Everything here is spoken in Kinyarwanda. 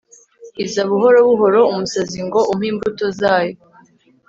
iza buhoro buhoro umusazi ngo umpe imbuto zayo